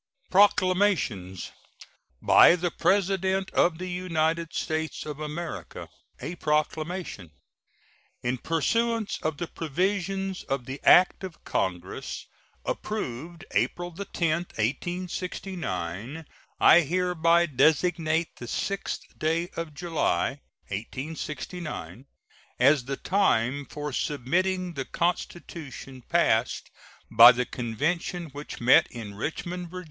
PROCLAMATIONS. BY THE PRESIDENT OF THE UNITED STATES OF AMERICA. A PROCLAMATION. In pursuance of the provisions of the act of Congress approved April 10, 1869, I hereby designate the 6th day of July, 1869, as the time for submitting the constitution passed by the convention which met in Richmond, Va.